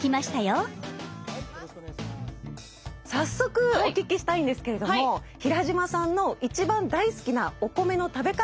早速お聞きしたいんですけれども平嶋さんの一番大好きなお米の食べ方教えて下さい。